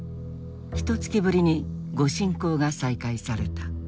ひとつきぶりに御進講が再開された。